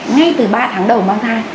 ngay từ ba tháng đầu mang thai